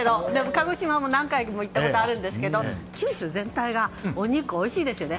鹿児島も何回も行ったことあるんですけれど九州全体が牛肉おいしいですよね。